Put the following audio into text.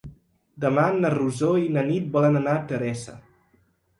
Demà na Rosó i na Nit volen anar a Teresa.